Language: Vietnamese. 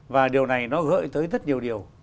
và điều này nó gợi tới rất nhiều điều